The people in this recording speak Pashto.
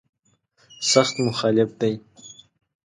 سخت مخالف دی.